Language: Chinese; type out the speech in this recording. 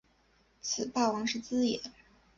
此霸王之资也。